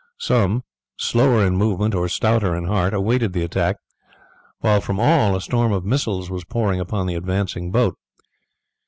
Some, slower in movement or stouter in heart, awaited the attack, while from all a storm of missiles was poured upon the advancing boat.